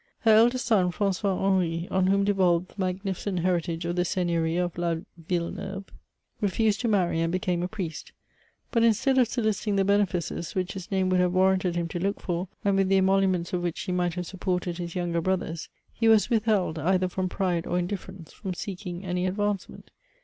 Her eldest son, Fran9ois Henri, on whom devolved the mag nificent heritage of the Seigneurie of la Villeneuve, refused to marry, and became a priest; but, instead of soliciting the benefices, which his name would have warranted him to look for, and with the emoluments of which he might have supported his younger brothers, he was withheld, either from pride or indifference, from seeking any advancement.